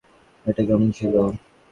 এটা কেমন ছিলো?